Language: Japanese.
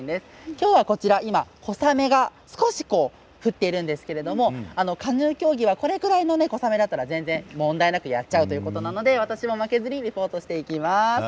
きょうは、こちら今、小雨が少し降っているんですがカヌー競技はこれぐらいの小雨だったら全然問題なくやっちゃうということなので私も負けずにリポートしていきます。